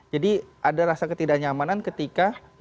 jadi ada rasa ketidaknyamanan ketika